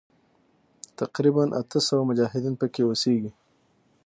تقریباً اته سوه مجاهدین پکې اوسیږي.